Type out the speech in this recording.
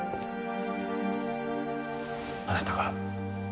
あなたが